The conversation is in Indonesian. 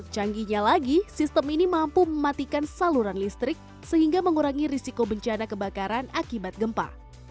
canggihnya lagi sistem ini mampu mematikan saluran listrik sehingga mengurangi risiko bencana kebakaran akibat gempa